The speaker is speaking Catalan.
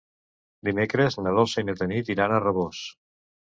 Dimecres na Dolça i na Tanit iran a Rabós.